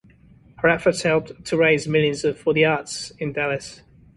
Her efforts helped to raise millions for the arts in Dallas.